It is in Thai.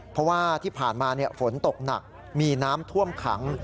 เพราะว่าที่ผ่านมาฝนตกหนักมีน้ำท่วมขัง